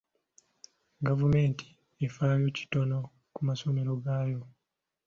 Gavumenti efaayo kitono ku masomero gaayo.